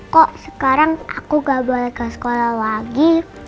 kok sekarang aku gak boleh ke sekolah lagi